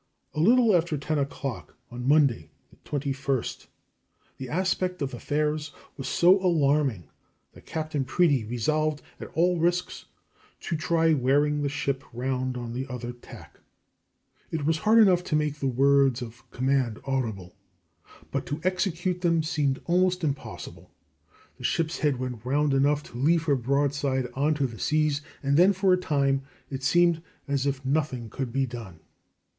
A little after ten o'clock on Monday, the 21st, the aspect of affairs was so alarming that Captain Preedy resolved at all risks to try wearing the ship round on the other tack. It was hard enough to make the words of command audible, but to execute them seemed almost impossible. The ship's head went round enough to leave her broadside on to the seas, and then for a time it seemed as if nothing could be done.